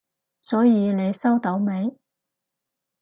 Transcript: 所以你收到未？